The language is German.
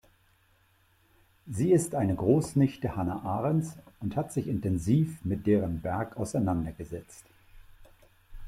Sie ist eine Großnichte Hannah Arendts und hat sich intensiv mit deren Werk auseinandergesetzt.